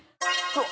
そう。